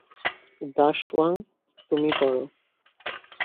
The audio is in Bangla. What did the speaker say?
দাশওয়াং, তুমি করো।